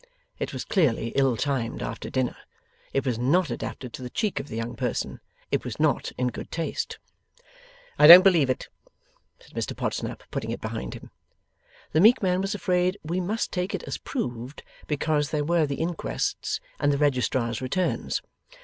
It was clearly ill timed after dinner. It was not adapted to the cheek of the young person. It was not in good taste. 'I don't believe it,' said Mr Podsnap, putting it behind him. The meek man was afraid we must take it as proved, because there were the Inquests and the Registrar's returns.